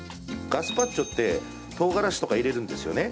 ガスパチョってとうがらしとか入れるんですよね。